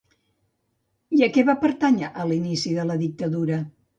I a què va pertànyer a l'inici de la dictadura?